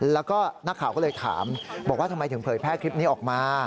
แล้วก็นักข่าวก็เลยถามบอกว่าทำไมถึงเผยแพร่คลิปนี้ออกมา